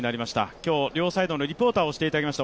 今日、両サイドのリポーターをしてくれました